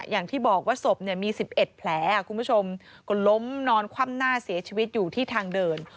อย่างที่บอกว่าศพมี๑๑แผลคุณผู้ชมก็ล้มนอนคว่ำหน้าเสียชีวิตอยู่ที่ทางเดิน